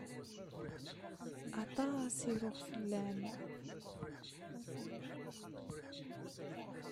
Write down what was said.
Aṭas i ruɣ fell-am.